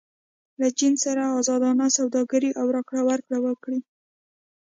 له چین سره ازادانه سوداګري او راکړه ورکړه وکړئ.